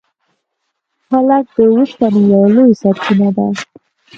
پالک د اوسپنې یوه لویه سرچینه ده.